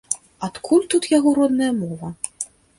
Адкуль тут яго родная мова?